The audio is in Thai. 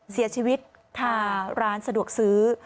เสียชีวิตคาร้านสะดวกซื้อ